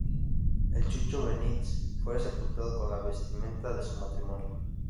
El Chucho Benítez fue sepultado con la vestimenta de su matrimonio.